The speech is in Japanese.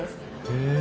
へえ。